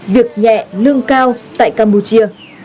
việc nhẹ lương cao tại campuchia